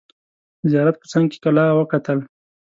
د زیارت په څنګ کې کلا وکتل.